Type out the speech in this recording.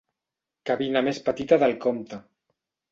Cabina més petita del compte.